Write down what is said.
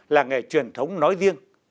làng nghề truyền thống nói riêng